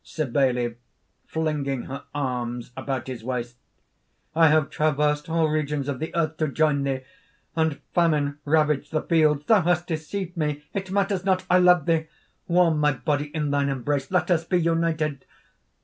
_) CYBELE (flinging her arms about his waist). "I have traversed all regions of the earth to join thee and famine ravaged the fields Thou hast deceived me! It matters not! I love thee! Warm my body in thine embrace! Let us be united!"